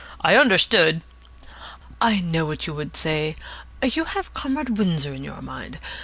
I understood " "I know what you would say. You have Comrade Windsor in your mind.